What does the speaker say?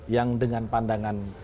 yang dengan pandangan